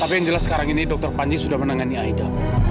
tapi yang jelas sekarang ini dokter panji sudah menangani aida